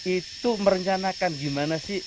itu merencanakan gimana sih